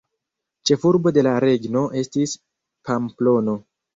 Ĉefurbo de la regno estis Pamplono.